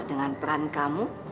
dengan peran kamu